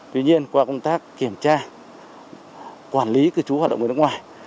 tuy nhiên qua công tác kiểm tra quản lý cư trú hoạt động người nước ngoài